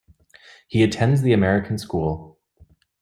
He attends the American School.